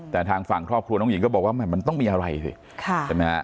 แต่ทางฝั่งครอบครัวน้องหญิงก็บอกว่ามันต้องมีอะไรสิใช่ไหมฮะ